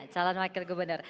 calon wakil gubernur